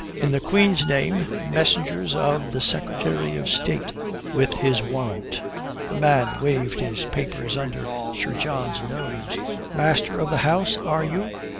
"In the Queen's name. Messengers of the Secretary of State, with his warrant." The man waved his papers under Sir John's nose. "Master of the house, are you?"